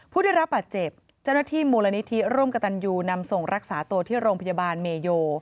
ผู้ได้รับบาดเจ็บเจ้าหน้าที่มูลนิธิร่วมกับตันยูนำส่งรักษาตัวที่โรงพยาบาลเมโย